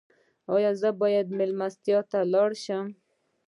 ایا زه باید میلمستیا ته لاړ شم؟